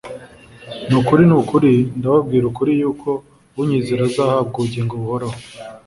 ni ukuri ni ukuri ndababwira ukuri yuko unyizera azahabwa ubugingo buhoraho